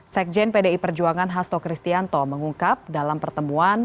sekjen pdi perjuangan hasto kristianto mengungkap dalam pertemuan